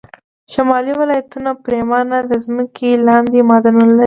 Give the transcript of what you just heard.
شمالي ولایتونه پرېمانه د ځمکې لاندې معدنونه لري